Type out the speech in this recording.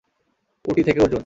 উটি থেকে অর্জুন।